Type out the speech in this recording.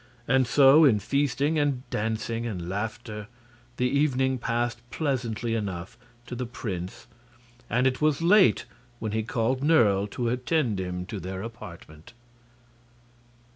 And so in feasting, dancing and laughter the evening passed pleasantly enough to the prince, and it was late when he called Nerle to attend him to their apartment.